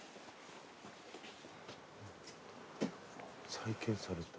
再建された。